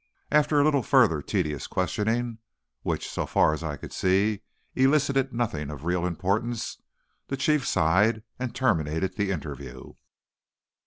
After a little further tedious questioning, which, so far as I could see, elicited nothing of real importance, the Chief sighed and terminated the interview.